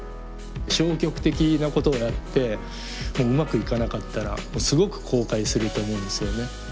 消極的なことをやってうまくいかなかったらすごく後悔すると思うんですよね。